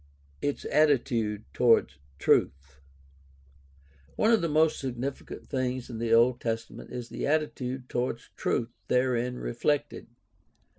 Its attitude toward truth. — One of the most significant things in the Old Testament is the attitude toward truth therein reflected.